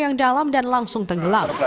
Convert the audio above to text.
yang dalam dan langsung tenggelam